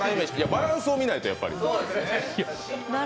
バランスを見ないと、やっぱり。